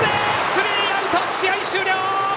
スリーアウト試合終了。